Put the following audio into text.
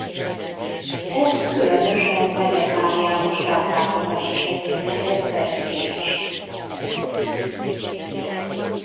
Ez különösen vegetáriánus táplálkozás esetén lehet veszélyes.